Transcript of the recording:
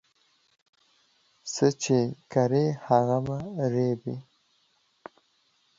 څه چي کرې، هغه به رېبې.